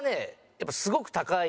やっぱりすごく高い。